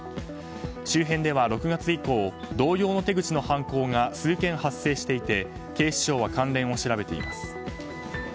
周辺では６月以降同様の手口の犯行が数件発生していて警視庁は関連を調べています。